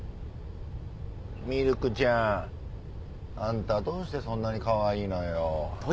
ミルクちゃんあんたはどうしてそんなにかわいいのよ。